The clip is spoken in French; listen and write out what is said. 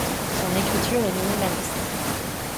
Son écriture est minimaliste.